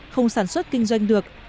không sản xuất kinh doanh được